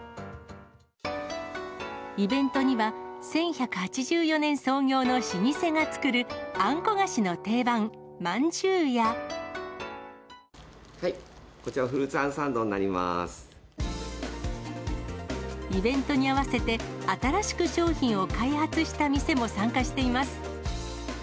イベントには、１１８４年創業の老舗が作る、あんこ菓子の定番、こちら、フルーツあんサンドイベントに合わせて、新しく商品を開発した店も参加しています。